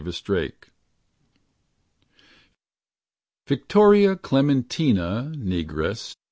pdf Victoria Clementina, negress.